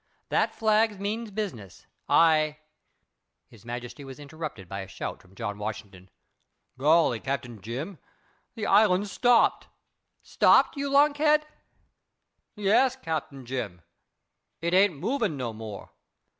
That flag means business. I" His Majesty was interrupted by a shout from John Washington: "Golly, Cap. Jim, the island's stopped!" "Stopped, you lunkhead?" "Yes, Cap. Jim. It ain't movin' no more.